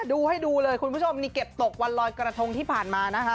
ดูให้ดูเลยคุณผู้ชมนี่เก็บตกวันลอยกระทงที่ผ่านมานะคะ